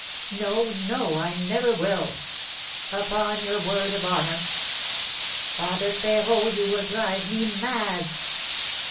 "No, no, I never will!" "Upon your word of honour?" "Father Férot, you will drive me mad!"